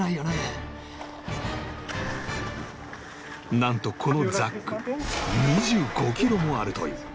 なんとこのザック２５キロもあるという